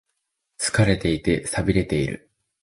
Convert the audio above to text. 疲れていて、寂れている。